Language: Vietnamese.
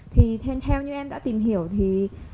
thì theo như em đã tìm hiểu thì